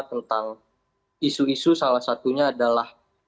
tentang isu isu salah satunya adalah